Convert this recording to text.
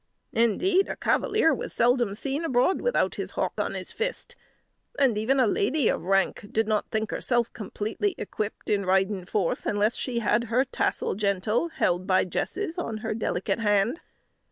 Indeed, a cavalier was seldom seen abroad without his hawk on his fist; and even a lady of rank did not think herself completely equipped, in riding forth, unless she had her tassel gentel held by jesses on her delicate hand.